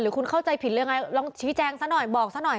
คุณเข้าใจผิดหรือยังไงลองชี้แจงซะหน่อยบอกซะหน่อย